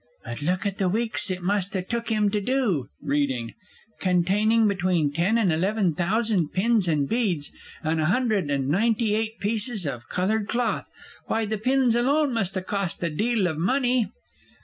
But look at the weeks it must ha' took him to do! (Reading.) "Containing between ten and eleven thousand pins and beads, and a hundred and ninety eight pieces of coloured cloth!" Why, the pins alone must ha' cost a deal of money.